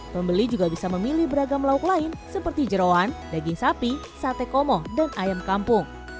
pembeli juga bisa memilih beragam lauk lain seperti jerawan daging sapi sate komo dan ayam kampung